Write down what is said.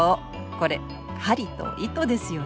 これ針と糸ですよね。